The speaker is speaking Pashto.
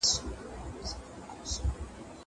د اُحُد غزا.